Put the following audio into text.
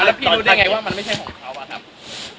แล้วพี่รู้ได้ไงว่ามันไม่ใช่ของเขาอะครับ